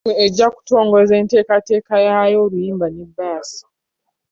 Ttiimu ejja kutongoza enteekateeka yaayo, oluyimba ne bbaasi.